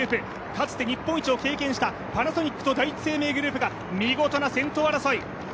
かつて日本一を経験したパナソニックと第一生命グループが見事な先頭争い。